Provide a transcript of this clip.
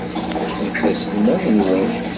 Nekk d aselmad-nwen.